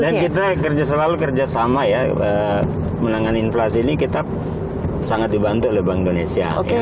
dan kita selalu kerja sama ya menangani inflasi ini kita sangat dibantu oleh bank indonesia